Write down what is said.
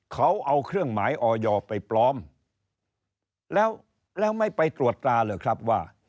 เขาเอาเครื่องหมายออยไปปลอมแล้วแล้วไม่ไปตรวจตราเหรอครับว่า